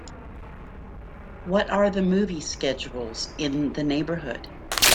What are the movie schedules in the neighbourhood